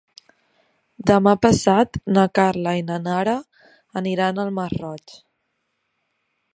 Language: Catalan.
Demà passat na Carla i na Nara aniran al Masroig.